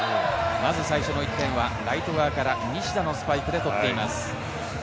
最初の１点はライト側から西田のスパイクで取っています。